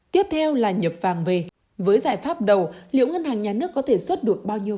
tiếp theo là nhập vàng về với giải pháp đầu liệu ngân hàng nhà nước có thể xuất được bao nhiêu